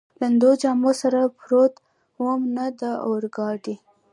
لوندو جامو سره پروت ووم، نه د اورګاډي.